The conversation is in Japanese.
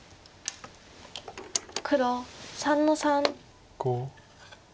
黒３の三。